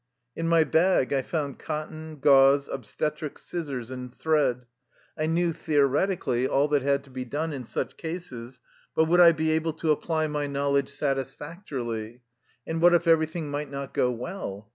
In my bag I found cotton, gauze, obstetric scissors and thread. I knew theoretically all 232 THE LIFE STOEY OF A KUSSIAN EXILE tbat had to be done in such cases, but would I be able to apply my knowledge satisfactorily? And what if everything might not go well?